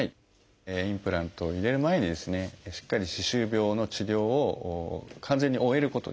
インプラントを入れる前にですねしっかり歯周病の治療を完全に終えることです。